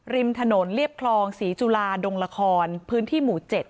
ริมถนนเรียบคลองศรีจุลาดงละครพื้นที่หมู่๗